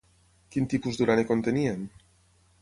Quin tipus d'urani contenien?